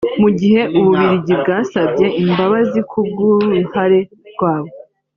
Mu gihe u Bubiligi bwasabye imbabazi ku bw’uruhare rwabwo